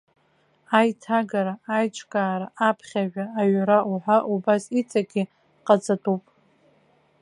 Аиҭагара аиҿкаара, аԥхьажәа аҩра уҳәа убас иҵегьы ҟаҵатәуп.